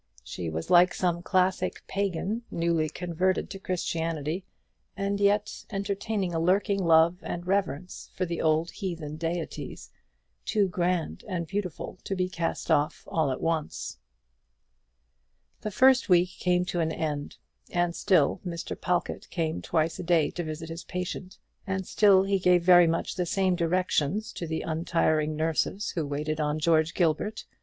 She was like some classic pagan newly converted to Christianity, and yet entertaining a lurking love and reverence for the old heathen deities, too grand and beautiful to be cast off all at once. The first week came to an end, and still Mr. Pawlkatt came twice a day to visit his patient; and still he gave very much the same directions to the untiring nurses who waited on George Gilbert.